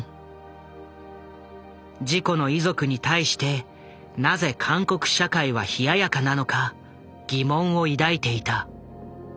事故の遺族に対してなぜ韓国社会は冷ややかなのか疑問を抱いていた。